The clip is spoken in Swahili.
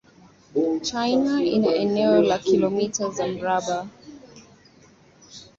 China ina eneo la kilomita za mraba